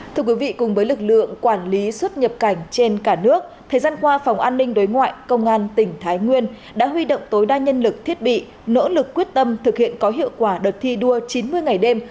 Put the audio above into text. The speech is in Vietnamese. thưa quý vị cùng với lực lượng quản lý xuất nhập cảnh trên cả nước thời gian qua phòng an ninh đối ngoại công an tỉnh thái nguyên đã huy động tối đa nhân lực thiết bị nỗ lực quyết tâm thực hiện có hiệu quả đợt thi đua chín mươi ngày đêm